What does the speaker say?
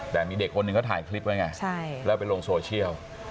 แต่มีเด็กคนหนึ่งเขาถ่ายคลิปไว้ไงแล้วไปลงโซเชียล